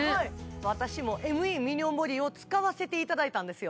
私もＭＥミニョンボディを使わせていただいたんですよ。